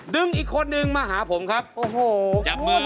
ดึงอีกคนหนึ่งมาหาผมครับโอ้โหโหดเลย